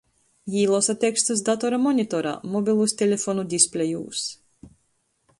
Jī losa tekstus datora monitorā, mobilūs telefonu displejūs.